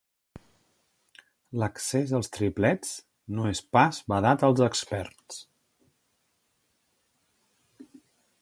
L'accés als triplets no és pas vedat als experts.